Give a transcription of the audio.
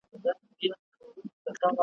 په اماني عصر کي